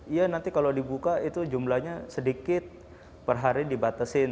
iya nanti kalau dibuka itu jumlahnya sedikit per hari dibatasin